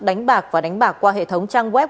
đánh bạc và đánh bạc qua hệ thống trang web